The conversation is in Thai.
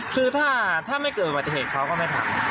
คือถ้าไม่เกิดอุบัติเหตุเขาก็ไม่ทำ